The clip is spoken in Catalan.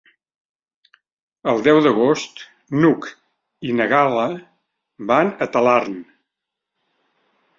El deu d'agost n'Hug i na Gal·la van a Talarn.